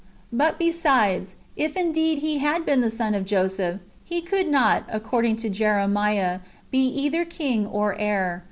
But besides, if indeed He had been the son of Joseph, He could not, according to Jeremiah, be either king or heir.